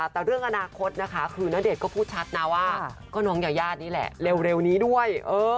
แต่เรื่องอนาคตนะคะคือณเดชน์ก็พูดชัดนะว่าก็น้องยายานี่แหละเร็วนี้ด้วย